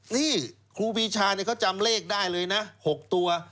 คือครูปีชาจำระเล็กได้เลย๖ตัว